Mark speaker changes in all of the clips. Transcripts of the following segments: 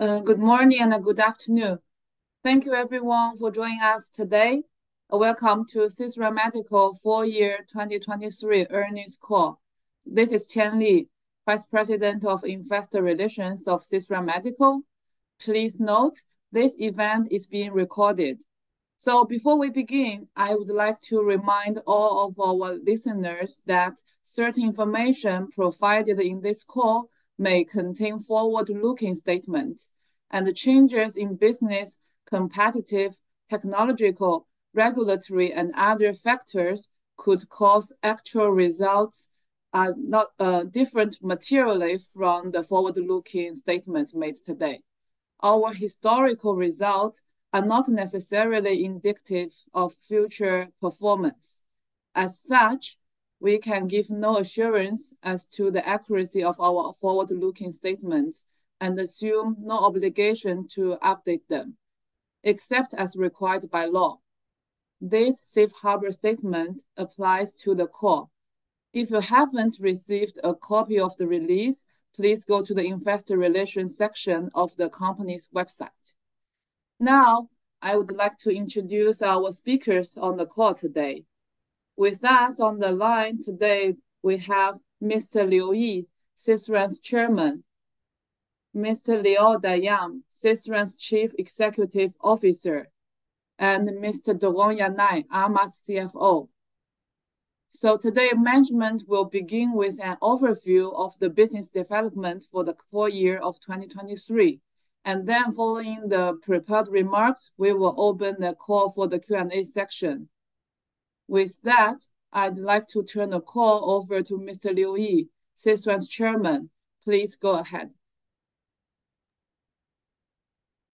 Speaker 1: Good morning and good afternoon. Thank you, everyone, for joining us today. Welcome to Sisram Medical Full-Year 2023 Earnings Call. This is Qianli, Vice President of Investor Relations of Sisram Medical. Please note, this event is being recorded. Before we begin, I would like to remind all of our listeners that certain information provided in this call may contain forward-looking statements, and changes in business, competitive, technological, regulatory, and other factors could cause actual results to differ materially from the forward-looking statements made today. Our historical results are not necessarily indicative of future performance. As such, we can give no assurance as to the accuracy of our forward-looking statements and assume no obligation to update them, except as required by law. This safe harbor statement applies to the call. If you haven't received a copy of the release, please go to the Investor Relations section of the company's website. Now, I would like to introduce our speakers on the call today. With us on the line today we have Mr. Liu Yi, Sisram's Chairman Mr. Lior Dayan, Sisram's Chief Executive Officer, and Mr. Doron Yannai, Alma Lasers CFO. So today management will begin with an overview of the business development for the full year of 2023, and then following the prepared remarks we will open the call for the Q&A section. With that, I'd like to turn the call over to Mr. Liu Yi, Sisram's Chairman. Please go ahead.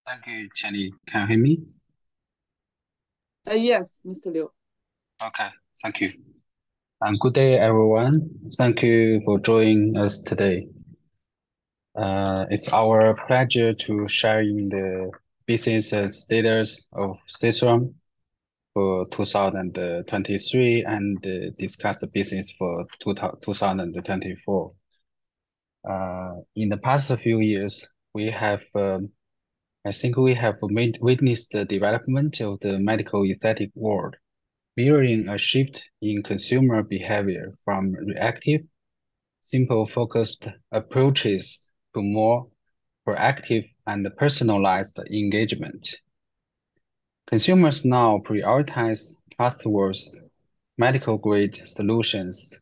Speaker 2: Thank you, Qianli. Can you hear me?
Speaker 1: Yes, Mr. Liu.
Speaker 2: Okay, thank you. Good day, everyone. Thank you for joining us today. It's our pleasure to share in the business status of Sisram for 2023 and discuss the business for 2024. In the past few years, I think we have witnessed the development of the medical aesthetic world, mirroring a shift in consumer behavior from reactive, simple-focused approaches to more proactive and personalized engagement. Consumers now prioritize trustworthy, medical-grade solutions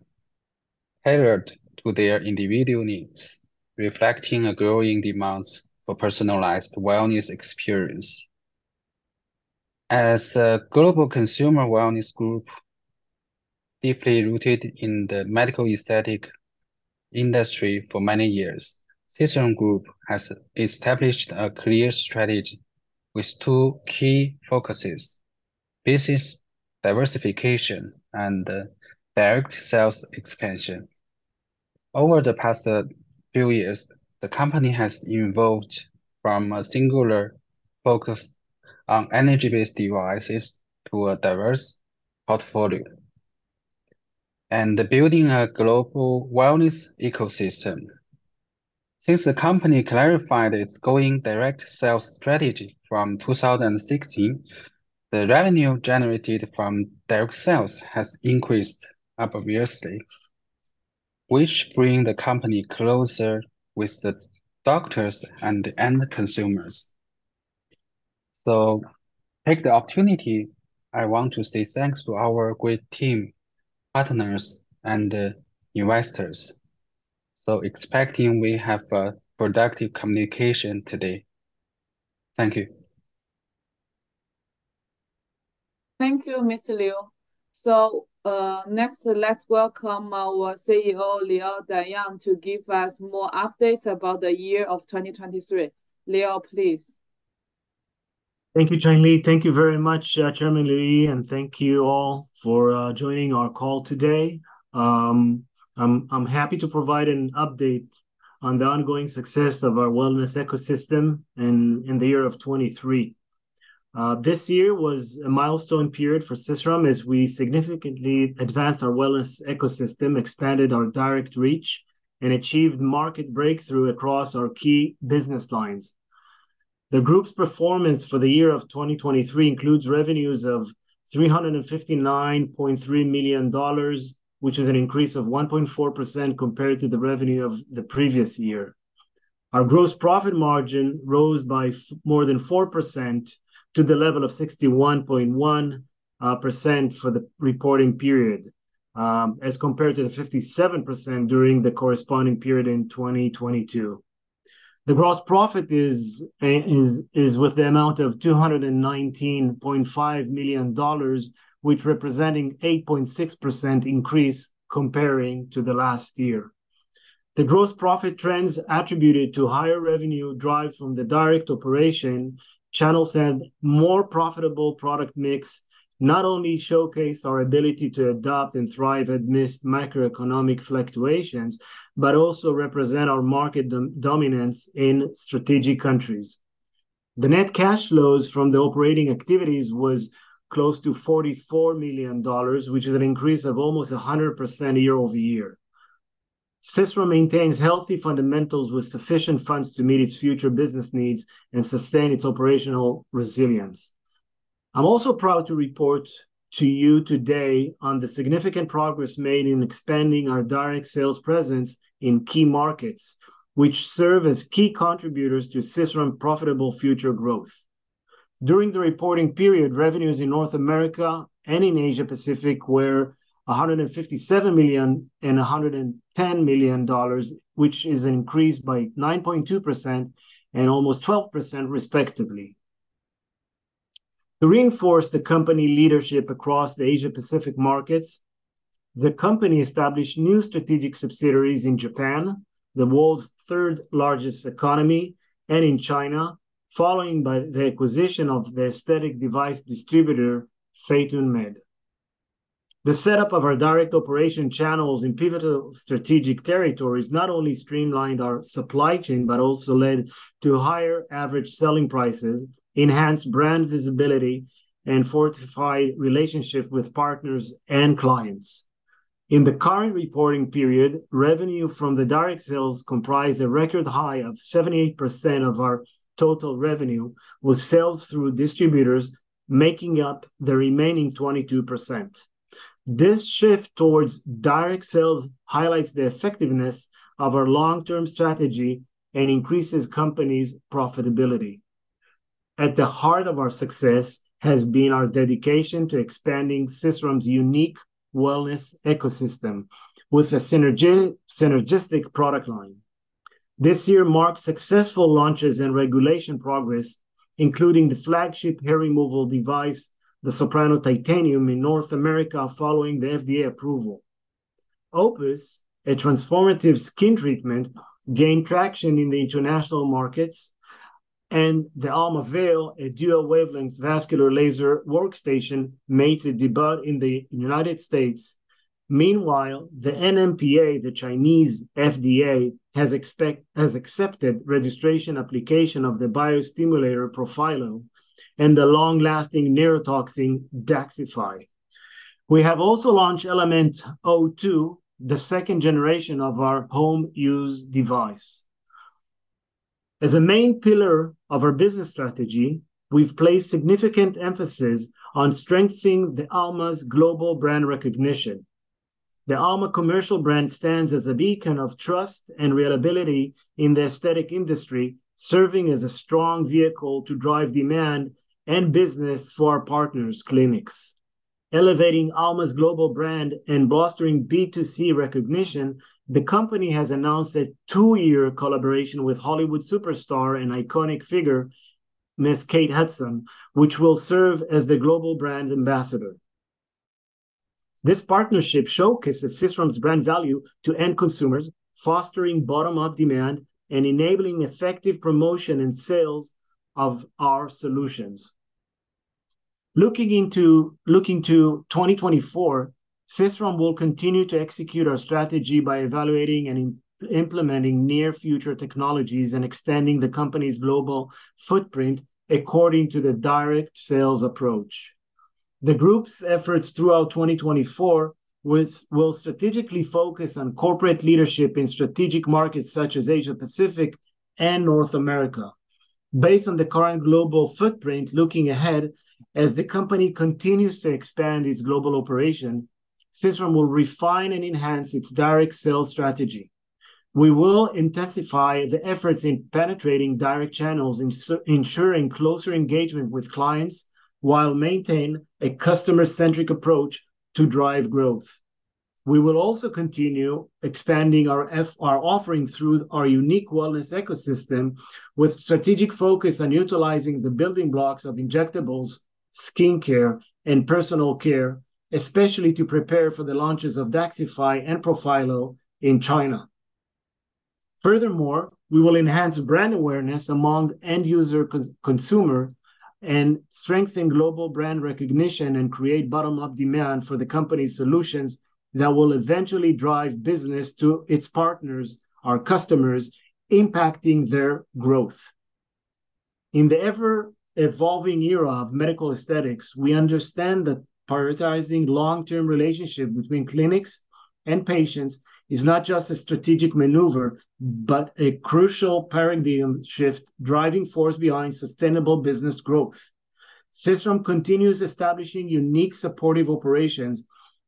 Speaker 2: tailored to their individual needs, reflecting a growing demand for personalized wellness experience. As a global consumer wellness group deeply rooted in the medical aesthetic industry for many years, Sisram Group has established a clear strategy with two key focuses: business diversification and direct sales expansion. Over the past few years, the company has evolved from a singular focus on energy-based devices to a diverse portfolio and building a global wellness ecosystem. Since the company clarified its growing direct sales strategy from 2016, the revenue generated from direct sales has increased obviously, which brings the company closer with the doctors and the end consumers. So take the opportunity I want to say thanks to our great team, partners, and investors, so expecting we have productive communication today. Thank you.
Speaker 1: Thank you, Mr. Liu. So, next let's welcome our CEO Lior Dayan to give us more updates about the year of 2023. Lior, please.
Speaker 3: Thank you, Qianli. Thank you very much, Chairman Liu Yi, and thank you all for joining our call today. I'm happy to provide an update on the ongoing success of our wellness ecosystem in the year of 2023. This year was a milestone period for Sisram as we significantly advanced our wellness ecosystem, expanded our direct reach, and achieved market breakthrough across our key business lines. The group's performance for the year of 2023 includes revenues of $359.3 million, which is an increase of 1.4% compared to the revenue of the previous year. Our gross profit margin rose by more than 4% to the level of 61.1% for the reporting period, as compared to the 57% during the corresponding period in 2022. The gross profit is with the amount of $219.5 million, which represents an 8.6% increase comparing to the last year. The gross profit trends attributed to higher revenue driven from the direct operation, channels and more profitable product mix not only showcase our ability to adapt and thrive amidst macroeconomic fluctuations, but also represent our market dominance in strategic countries. The net cash flows from the operating activities were close to $44 million, which is an increase of almost 100% year-over-year. Sisram maintains healthy fundamentals with sufficient funds to meet its future business needs and sustain its operational resilience. I'm also proud to report to you today on the significant progress made in expanding our direct sales presence in key markets, which serve as key contributors to Sisram's profitable future growth. During the reporting period, revenues in North America and in Asia Pacific were $157 million and $110 million, which is an increase by 9.2% and almost 12% respectively. To reinforce the company leadership across the Asia Pacific markets, the company established new strategic subsidiaries in Japan, the world's third-largest economy, and in China, following by the acquisition of the aesthetic device distributor PhotonMed International. The setup of our direct operation channels in pivotal strategic territories not only streamlined our supply chain, but also led to higher average selling prices, enhanced brand visibility, and fortified relationships with partners and clients. In the current reporting period, revenue from the direct sales comprised a record high of 78% of our total revenue, with sales through distributors making up the remaining 22%. This shift towards direct sales highlights the effectiveness of our long-term strategy and increases companies' profitability. At the heart of our success has been our dedication to expanding Sisram's unique wellness ecosystem, with a synergistic product line. This year marked successful launches and regulation progress, including the flagship hair removal device, the Soprano Titanium, in North America following the FDA approval. Opus, a transformative skin treatment, gained traction in the international markets, and the DermaV, a dual-wavelength vascular laser workstation, made its debut in the United States. Meanwhile, the NMPA, the Chinese FDA, has accepted registration application of the biostimulator Profhilo and the long-lasting neurotoxin DAXXIFY. We have also launched LMNT O2, the second generation of our home-use device. As a main pillar of our business strategy, we have placed significant emphasis on strengthening the Alma's global brand recognition. The Alma commercial brand stands as a beacon of trust and reliability in the aesthetic industry, serving as a strong vehicle to drive demand and business for our partners' clinics. Elevating Alma's global brand and bolstering B2C recognition, the company has announced a 2-year collaboration with Hollywood superstar and iconic figure Ms. Kate Hudson, which will serve as the global brand ambassador. This partnership showcases Sisram's brand value to end consumers, fostering bottom-up demand and enabling effective promotion and sales of our solutions. Looking to 2024, Sisram will continue to execute our strategy by evaluating and implementing near-future technologies and extending the company's global footprint according to the direct sales approach. The group's efforts throughout 2024 will strategically focus on corporate leadership in strategic markets such as Asia Pacific and North America. Based on the current global footprint, looking ahead, as the company continues to expand its global operation, Sisram will refine and enhance its direct sales strategy. We will intensify the efforts in penetrating direct channels, ensuring closer engagement with clients, while maintaining a customer-centric approach to drive growth. We will also continue expanding our offering through our unique wellness ecosystem, with strategic focus on utilizing the building blocks of injectables, skin care, and personal care, especially to prepare for the launches of DAXXIFY and Profhilo in China. Furthermore, we will enhance brand awareness among end user consumers, strengthen global brand recognition, and create bottom-up demand for the company's solutions that will eventually drive business to its partners, our customers, impacting their growth. In the ever-evolving era of medical aesthetics, we understand that prioritizing long-term relationships between clinics and patients is not just a strategic maneuver, but a crucial paradigm shift driving force behind sustainable business growth. Sisram continues establishing unique supportive operations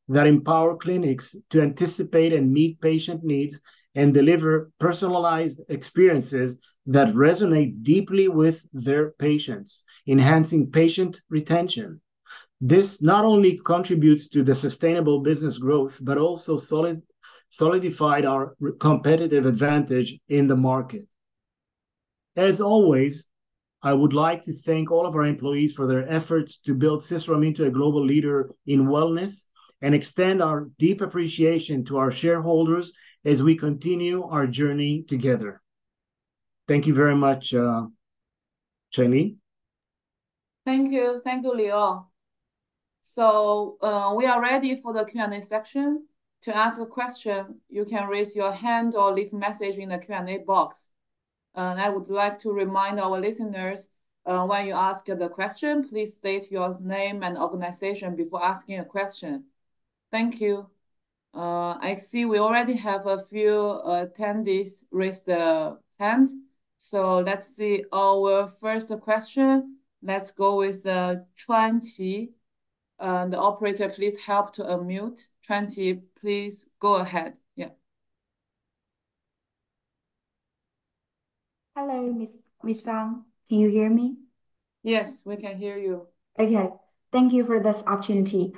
Speaker 3: that empower clinics to anticipate and meet patient needs and deliver personalized experiences that resonate deeply with their patients, enhancing patient retention. This not only contributes to the sustainable business growth, but also solidifies our competitive advantage in the market. As always, I would like to thank all of our employees for their efforts to build Sisram into a global leader in wellness and extend our deep appreciation to our shareholders as we continue our journey together. Thank you very much, Qianli.
Speaker 1: Thank you. Thank you, Lior. So, we are ready for the Q&A section. To ask a question, you can raise your hand or leave a message in the Q&A box. I would like to remind our listeners, when you ask the question, please state your name and organization before asking a question. Thank you. I see we already have a few attendees raise their hands. Let's see our first question. Let's go with Chuanqi. The operator, please help to unmute. Chuanqi, please go ahead. Yeah.
Speaker 4: Hello, Ms. Fang. Can you hear me?
Speaker 1: Yes, we can hear you.
Speaker 4: Okay. Thank you for this opportunity.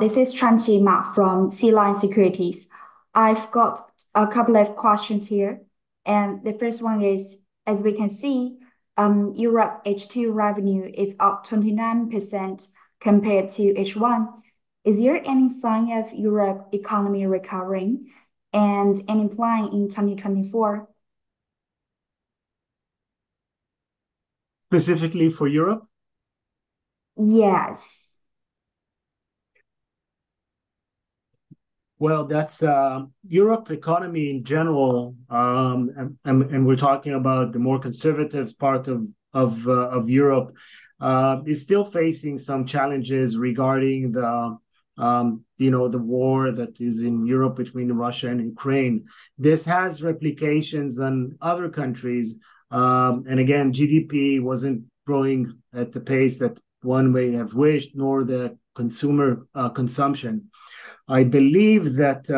Speaker 4: This is Chuanqi Ma from Sealand Securities. I've got a couple of questions here. The first one is, as we can see, Europe H2 revenue is up 29% compared to H1. Is there any sign of Europe economy recovering and any plan in 2024?
Speaker 3: Specifically for Europe?
Speaker 4: Yes.
Speaker 3: Well, that's the European economy in general, and we're talking about the more conservative part of Europe that is still facing some challenges regarding the, you know, the war that is in Europe between Russia and Ukraine. This has repercussions in other countries. And again, GDP wasn't growing at the pace that one may have wished, nor the consumer consumption. I believe that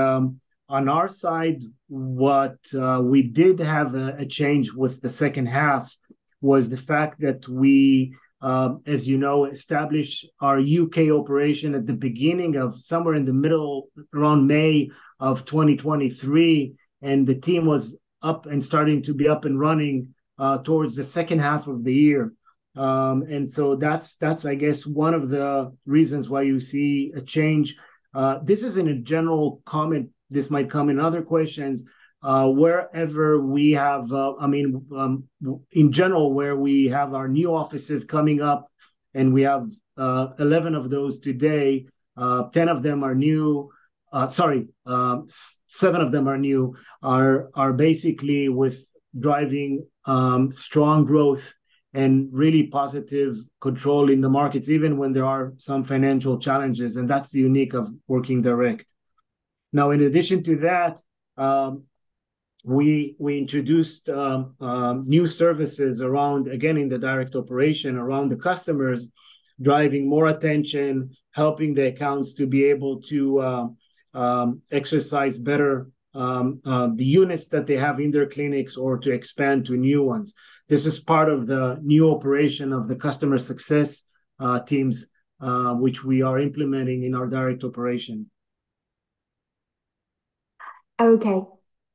Speaker 3: on our side, what we did have a change with the second half was the fact that we, as you know, established our U.K. operation at the beginning of somewhere in the middle around May of 2023, and the team was up and starting to be up and running towards the second half of the year. And so that's, I guess, one of the reasons why you see a change. This isn't a general comment. This might come in other questions. Wherever we have, I mean, in general, where we have our new offices coming up, and we have 11 of those today, 10 of them are new - sorry, seven of them are new - are basically driving strong growth and really positive control in the markets, even when there are some financial challenges. And that's the unique of working direct. Now, in addition to that, we introduced new services around, again, in the direct operation, around the customers, driving more attention, helping the accounts to be able to exercise better the units that they have in their clinics, or to expand to new ones. This is part of the new operation of the customer success teams, which we are implementing in our direct operation.
Speaker 4: Okay.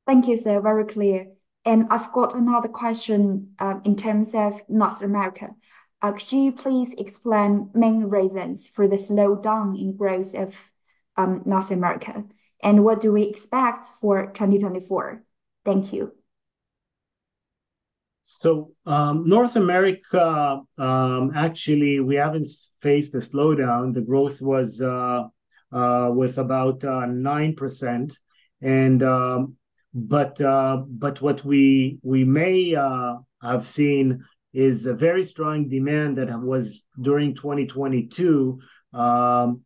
Speaker 4: Thank you, sir. Very clear. And I've got another question in terms of North America. Could you please explain the main reasons for the slowdown in growth of North America? And what do we expect for 2024? Thank you.
Speaker 3: So, North America, actually, we haven't faced a slowdown. The growth was with about 9%. And—but what we may have seen is a very strong demand that was during 2022, and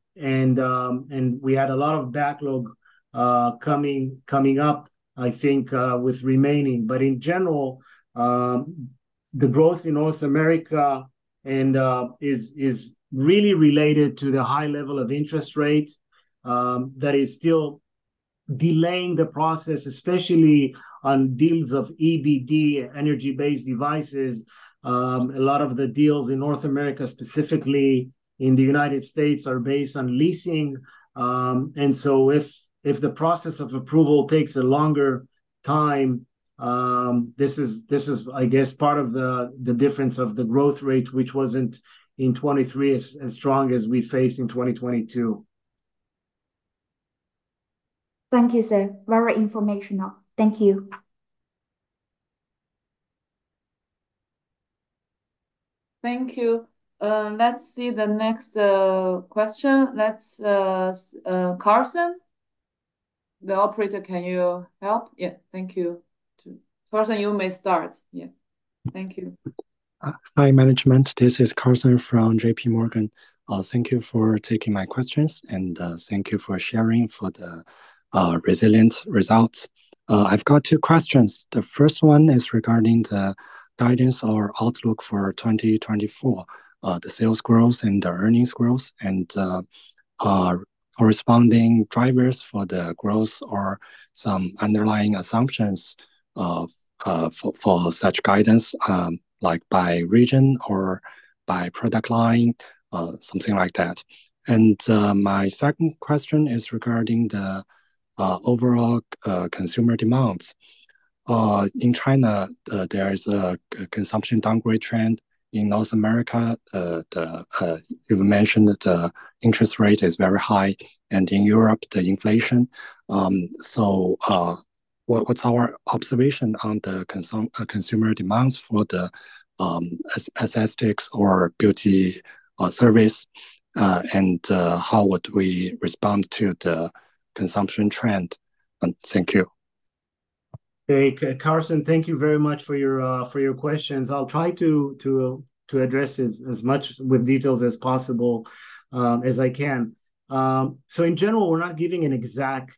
Speaker 3: we had a lot of backlog coming up, I think, with remaining. But in general, the growth in North America is really related to the high level of interest rate that is still delaying the process, especially on deals of EBD, energy-based devices. A lot of the deals in North America, specifically in the United States, are based on leasing. And so if the process of approval takes a longer time, this is, I guess, part of the difference of the growth rate, which wasn't in 2023 as strong as we faced in 2022.
Speaker 4: Thank you, sir. Very informational. Thank you.
Speaker 1: Thank you. Let's see the next question. Let's, Carson? The operator, can you help? Yeah, thank you. Carson, you may start. Yeah. Thank you.
Speaker 5: Hi, management. This is Carson from J.P. Morgan. Thank you for taking my questions, and thank you for sharing the resilient results. I've got two questions. The first one is regarding the guidance or outlook for 2024, the sales growth and the earnings growth, and corresponding drivers for the growth or some underlying assumptions for such guidance, like by region or by product line, something like that. My second question is regarding the overall consumer demands. In China, there is a consumption downgrade trend. In North America, you've mentioned that the interest rate is very high, and in Europe, the inflation. So what's our observation on the consumer demands for the aesthetics or beauty service, and how would we respond to the consumption trend? Thank you.
Speaker 3: Carson, thank you very much for your questions. I'll try to address it as much with details as possible as I can. So in general, we're not giving an exact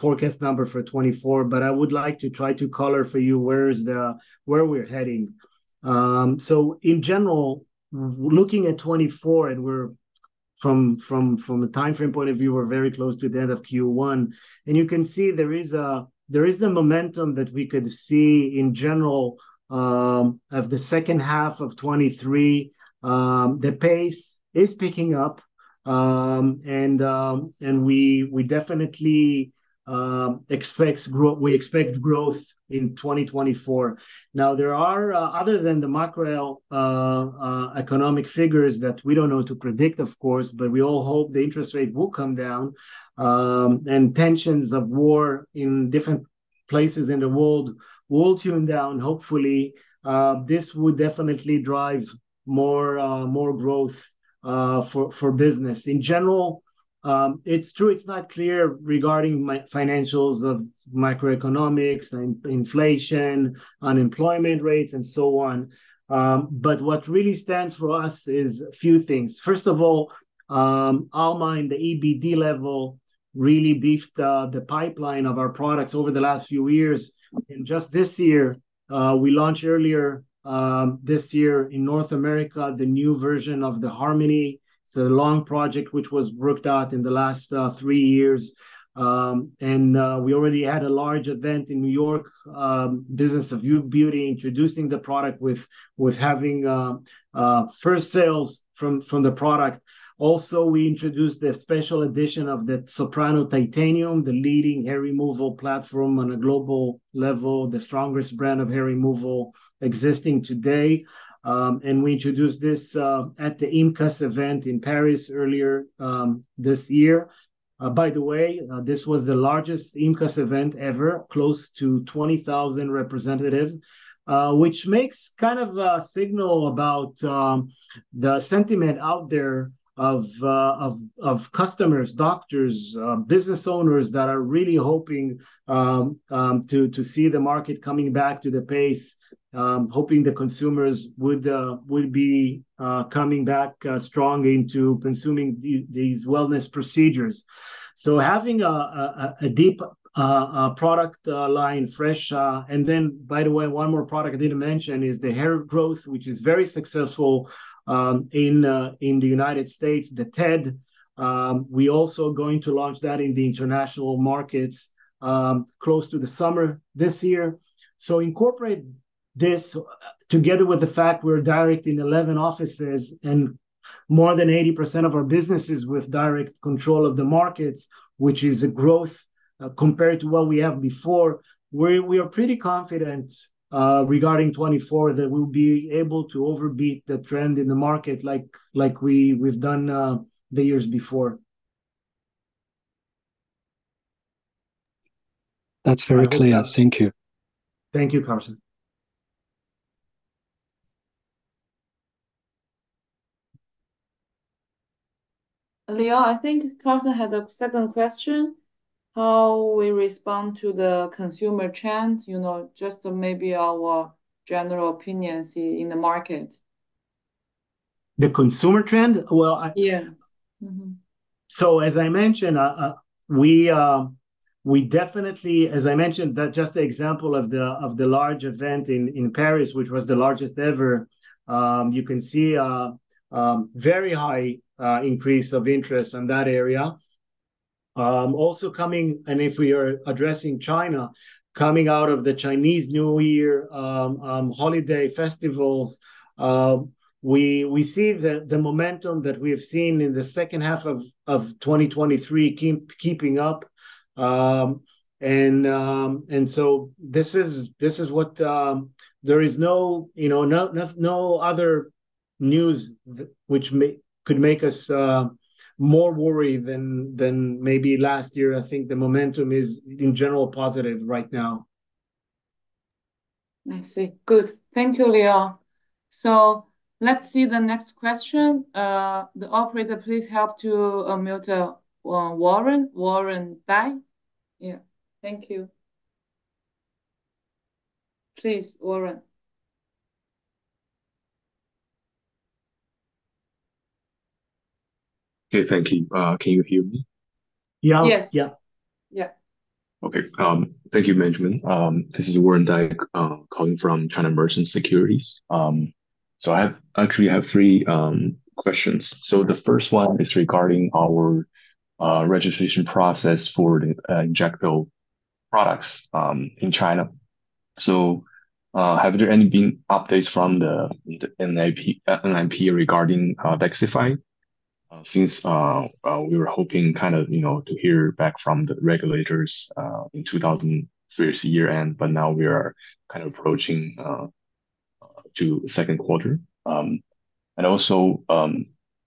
Speaker 3: forecast number for 2024, but I would like to try to color for you where we're heading. So in general, looking at 2024, and we're from a time frame point of view, we're very close to the end of Q1. And you can see there is the momentum that we could see, in general, of the second half of 2023. The pace is picking up, and we definitely expect growth in 2024. Now, there are, other than the macroeconomic figures that we don't know to predict, of course, but we all hope the interest rate will come down, and tensions of war in different places in the world will tune down, hopefully. This would definitely drive more growth for business. In general, it's true, it's not clear regarding financials of macroeconomics, inflation, unemployment rates, and so on. But what really stands for us is a few things. First of all, Alma, the EBD level, really beefed the pipeline of our products over the last few years. And just this year, we launched earlier this year in North America the new version of the Harmony. It's a long project, which was worked out in the last three years. And we already had a large event in New York, Business of Beauty, introducing the product with having first sales from the product. Also, we introduced the special edition of the Soprano Titanium, the leading hair removal platform on a global level, the strongest brand of hair removal existing today. And we introduced this at the IMCAS event in Paris earlier this year. By the way, this was the largest IMCAS event ever, close to 20,000 representatives, which makes kind of a signal about the sentiment out there of customers, doctors, business owners that are really hoping to see the market coming back to the pace, hoping the consumers would be coming back strong into consuming these wellness procedures. So having a deep product line, fresh... And then, by the way, one more product I didn't mention is the hair growth, which is very successful in the United States, the TED. We're also going to launch that in the international markets close to the summer this year. So incorporate this together with the fact we're direct in 11 offices, and more than 80% of our business is with direct control of the markets, which is a growth compared to what we have before. We are pretty confident regarding 2024 that we'll be able to overbeat the trend in the market like we've done the years before.
Speaker 5: That's very clear. Thank you.
Speaker 3: Thank you, Carson.
Speaker 1: Lior, I think Carson had a second question. How we respond to the consumer trend, you know, just maybe our general opinions in the market.
Speaker 3: The consumer trend? Well...
Speaker 1: Yeah.
Speaker 3: So, as I mentioned, that's just an example of the large event in Paris, which was the largest ever. You can see a very high increase of interest in that area. Also, if we are addressing China, coming out of the Chinese New Year holiday festivals, we see the momentum that we have seen in the second half of 2023 keeping up. And so there is no, you know, no other news which could make us more worried than maybe last year. I think the momentum is, in general, positive right now.
Speaker 1: I see. Good. Thank you, Lior. So let's see the next question. The operator, please help to unmute Warren. Warren Dai. Yeah. Thank you. Please, Warren.
Speaker 6: Okay. Thank you. Can you hear me?
Speaker 3: Yeah.
Speaker 1: Yes.
Speaker 3: Yeah. Yeah.
Speaker 6: Okay. Thank you, management. This is Warren Dai calling from China Merchants Securities. So I actually have three questions. So the first one is regarding our registration process for the Injecto products in China. So have there been any updates from the NMPA regarding DAXXIFY? Since we were hoping kind of, you know, to hear back from the regulators in 2023 year-end, but now we are kind of approaching the second quarter. And also,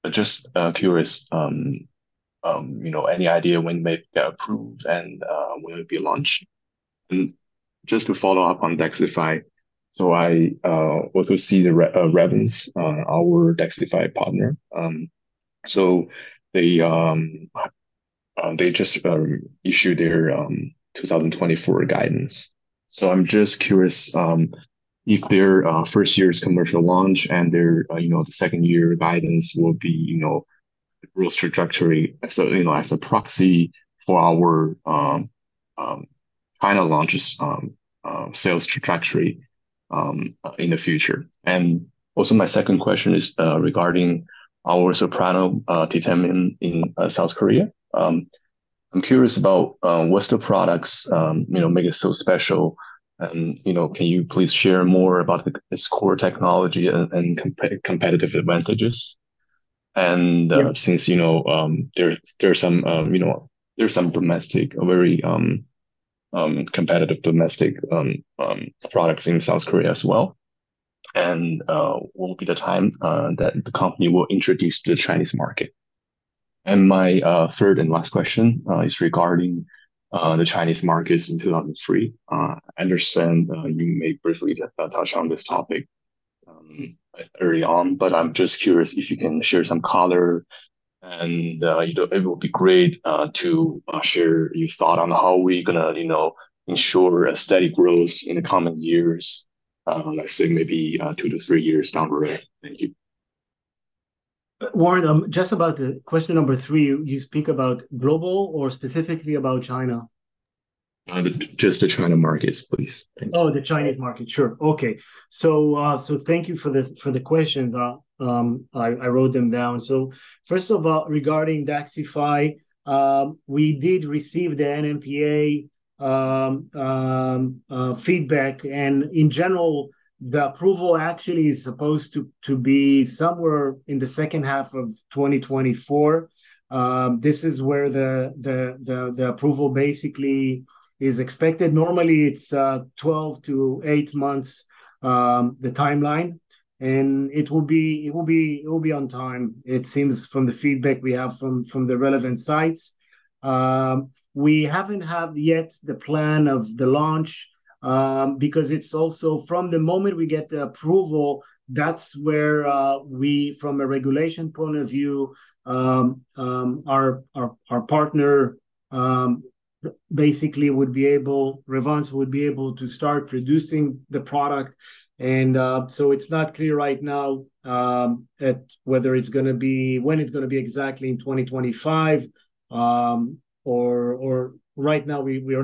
Speaker 6: just curious, you know, any idea when it may get approved and when it will be launched? And just to follow up on DAXXIFY, so I also see the Revance, our DAXXIFY partner. So they just issued their 2024 guidance. So I'm just curious if their first year's commercial launch and their, you know, the second year guidance will be, you know, a growth trajectory as a, you know, as a proxy for our China launch's sales trajectory in the future. And also, my second question is regarding our Soprano Titanium in South Korea. I'm curious about what's the products, you know, make it so special? And, you know, can you please share more about its core technology and competitive advantages? And since, you know, there's some, you know, there's some domestic, very competitive domestic products in South Korea as well. And what will be the time that the company will introduce to the Chinese market? And my third and last question is regarding the Chinese markets in 2003. I understand you may briefly touch on this topic early on, but I'm just curious if you can share some color. It will be great to share your thought on how we're going to, you know, ensure a steady growth in the coming years, let's say, maybe 2-3 years down the road. Thank you.
Speaker 3: Warren, just about the question number three, you speak about global or specifically about China?
Speaker 6: Just the China markets, please. Thank you.
Speaker 3: Oh, the Chinese market. Sure. Okay. So thank you for the questions. I wrote them down. So first of all, regarding DAXXIFY, we did receive the NMPA feedback. And in general, the approval actually is supposed to be somewhere in the second half of 2024. This is where the approval basically is expected. Normally, it's 12-8 months the timeline. And it will be on time, it seems, from the feedback we have from the relevant sites. We haven't had yet the plan of the launch because it's also from the moment we get the approval, that's where we, from a regulation point of view, our partner basically would be able... Revance would be able to start producing the product. And so it's not clear right now whether it's going to be... when it's going to be exactly in 2025. Or right now, we are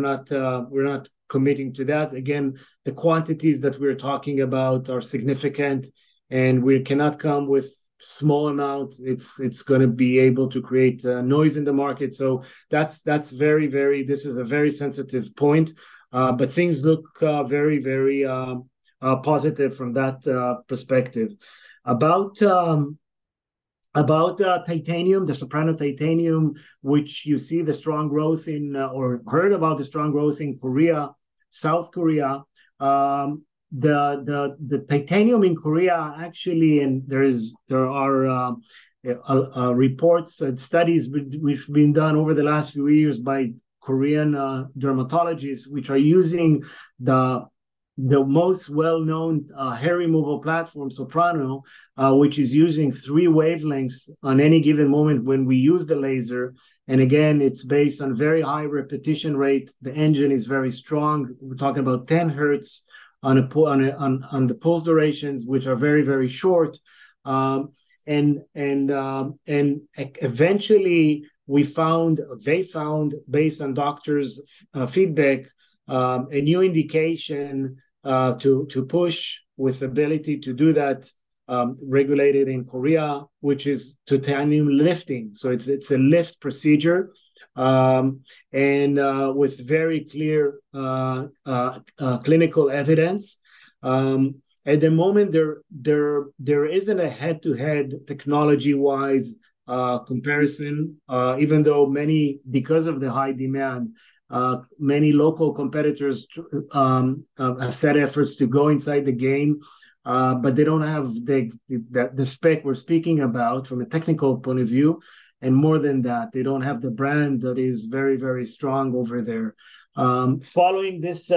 Speaker 3: not committing to that. Again, the quantities that we're talking about are significant, and we cannot come with small amounts. It's going to be able to create noise in the market. So that's very, very... this is a very sensitive point. But things look very, very positive from that perspective. About titanium, the Soprano Titanium, which you see the strong growth in or heard about the strong growth in Korea, South Korea, the titanium in Korea actually... and there are reports and studies that have been done over the last few years by Korean dermatologists, which are using the most well-known hair removal platform, Soprano, which is using three wavelengths on any given moment when we use the laser. And again, it's based on very high repetition rate. The engine is very strong. We're talking about 10 Hz on the pulse durations, which are very, very short. And eventually, we found... they found, based on doctors' feedback, a new indication to push with the ability to do that regulated in Korea, which is Titanium Lifting. So it's a lift procedure and with very clear clinical evidence. At the moment, there isn't a head-to-head technology-wise comparison, even though many... because of the high demand, many local competitors have set efforts to go inside the game, but they don't have the spec we're speaking about from a technical point of view. And more than that, they don't have the brand that is very, very strong over there. Following this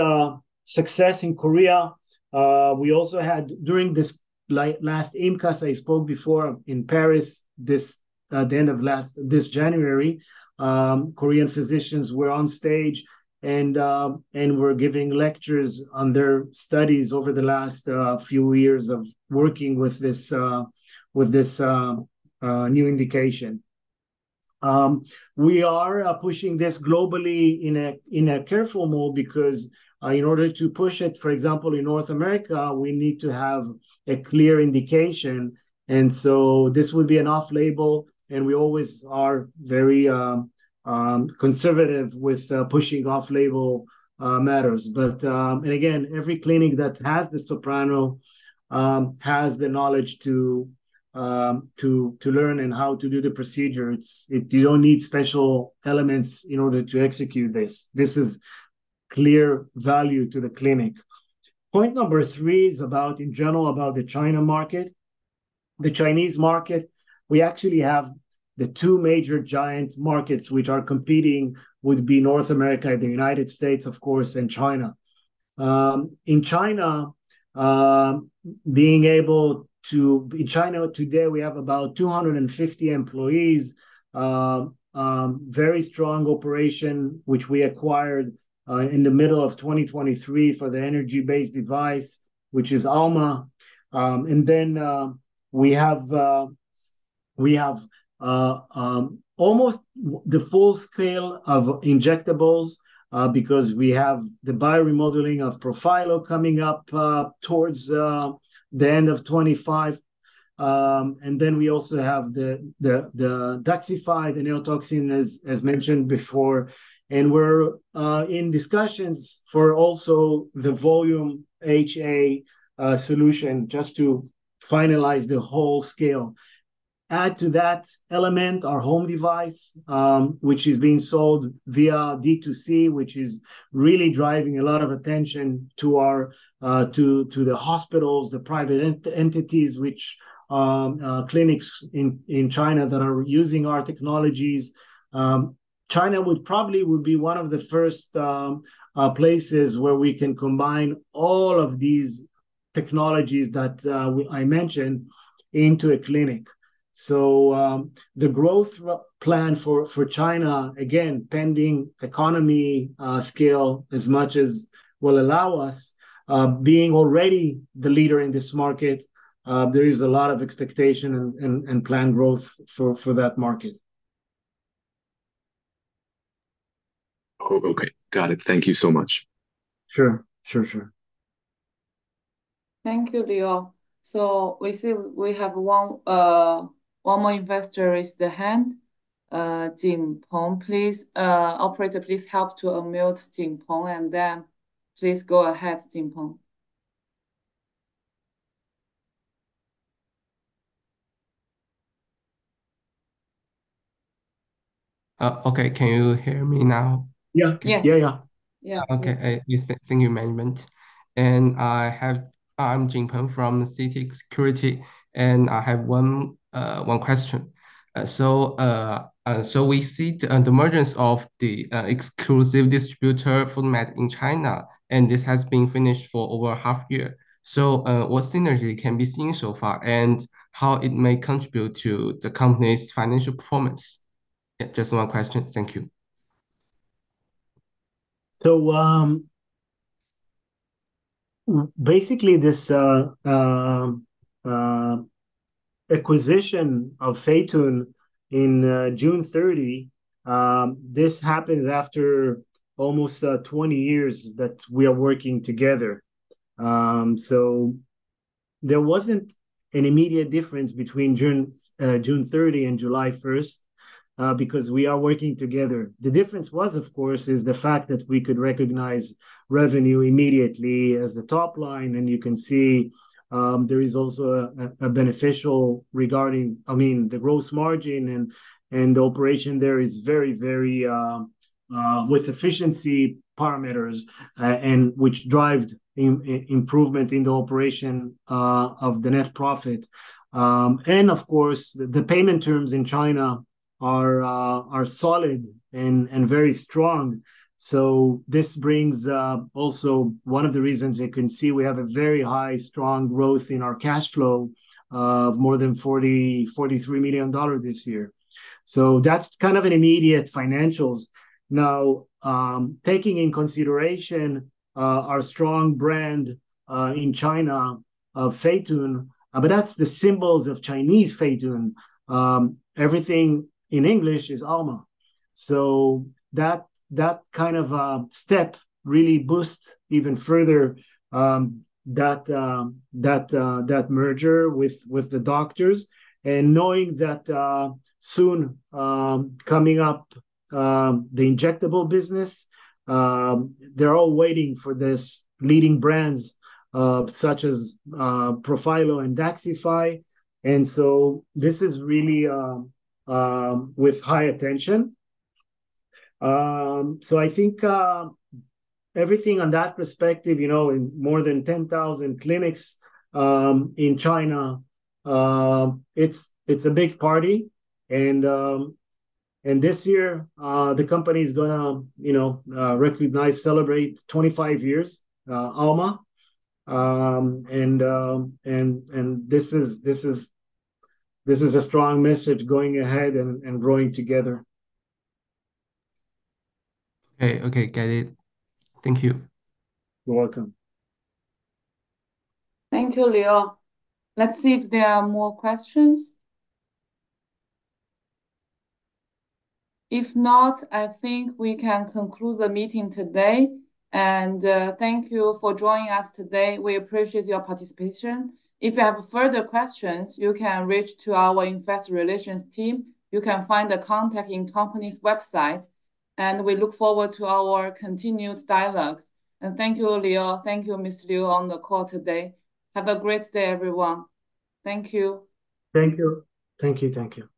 Speaker 3: success in Korea, we also had... during this last IMCAS, I spoke before in Paris, this at the end of last... this January, Korean physicians were on stage and were giving lectures on their studies over the last few years of working with this new indication. We are pushing this globally in a careful mode because in order to push it, for example, in North America, we need to have a clear indication. And so this would be an off-label, and we always are very conservative with pushing off-label matters. But... and again, every clinic that has the Soprano has the knowledge to learn and how to do the procedure. You don't need special elements in order to execute this. This is clear value to the clinic. Point number three is about, in general, about the China market. The Chinese market, we actually have the two major giant markets which are competing would be North America, the United States, of course, and China. In China, being able to... in China today, we have about 250 employees, very strong operation, which we acquired in the middle of 2023 for the energy-based device, which is ALMA. And then we have almost the full scale of injectables because we have the biomodeling of Profhilo coming up towards the end of 2025. And then we also have the Daxxify, the neurotoxin, as mentioned before. And we're in discussions for also the Volume HA solution, just to finalize the whole scale. Add to that Element our home device, which is being sold via D2C, which is really driving a lot of attention to our... to the hospitals, the private entities, which... clinics in China that are using our technologies. China would probably be one of the first places where we can combine all of these technologies that I mentioned into a clinic. So the growth plan for China, again, pending economy scale as much as will allow us, being already the leader in this market, there is a lot of expectation and planned growth for that market.
Speaker 6: Oh, okay. Got it. Thank you so much.
Speaker 3: Sure. Sure, sure.
Speaker 1: Thank you, Lior. So we see we have one more investor raised their hand. Jiang Peng, please. Operator, please help to unmute Jiang Peng, and then please go ahead, Jiang Peng.
Speaker 7: Okay. Can you hear me now?
Speaker 3: Yeah. Yeah, yeah, yeah.
Speaker 7: Yeah. Okay. Thank you, management. I have... I'm Jingpeng from CITIC Securities, and I have one question. So we see the emergence of the exclusive distributor format in China, and this has been finished for over a half year. So what synergy can be seen so far and how it may contribute to the company's financial performance? Just one question. Thank you.
Speaker 3: So basically, this acquisition of Fei Dun on June 30, this happens after almost 20 years that we are working together. So there wasn't an immediate difference between June 30 and July 1 because we are working together. The difference was, of course, is the fact that we could recognize revenue immediately as the top line, and you can see there is also a beneficial regarding... I mean, the gross margin and the operation there is very, very with efficiency parameters, which drives improvement in the operation of the net profit. And of course, the payment terms in China are solid and very strong. So this brings also one of the reasons you can see we have a very high, strong growth in our cash flow of more than $43 million this year. So that's kind of an immediate financials. Now, taking in consideration our strong brand in China of Fei Dun, but that's the symbols of Chinese Fei Dun. Everything in English is Alma. So that kind of step really boosts even further that merger with the doctors. And knowing that soon coming up, the injectable business, they're all waiting for this leading brands such as Profhilo and Daxxify. And so this is really with high attention. So I think everything on that perspective, you know, in more than 10,000 clinics in China, it's a big party. And this year, the company is going to, you know, recognize, celebrate 25 years Alma. And this is a strong message going ahead and growing together.
Speaker 7: Okay. Okay. Got it. Thank you.
Speaker 3: You're welcome.
Speaker 1: Thank you, Lior. Let's see if there are more questions. If not, I think we can conclude the meeting today. Thank you for joining us today. We appreciate your participation. If you have further questions, you can reach out to our investor relations team. You can find the contact on the company's website. We look forward to our continued dialogue. Thank you, Lior. Thank you, Mr. Lior, on the call today. Have a great day, everyone. Thank you.
Speaker 3: Thank you. Thank you. Thank you.